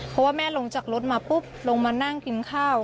เพราะว่าแม่ลงจากรถมาปุ๊บลงมานั่งกินข้าว